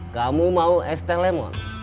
kamu mau es teh lemon